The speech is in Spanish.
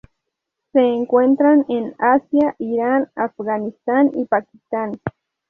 Se encuentran en Asia: Irán, Afganistán, y Pakistán